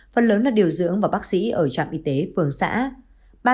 phần lớn là điều dưỡng và bác sĩ ở trạm y tế phường xã